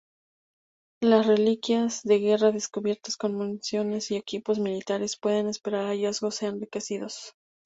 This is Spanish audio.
Las reliquias de guerra descubiertas, como municiones y equipos militares, pueden esperar hallazgos enriquecidos.